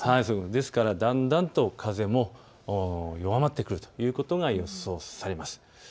ですからだんだんと風も弱まってくるということが予想されます。